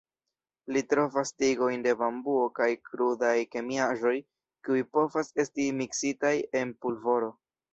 Li trovas tigojn de bambuo kaj krudaj kemiaĵoj, kiuj povas esti miksitaj en pulvoro.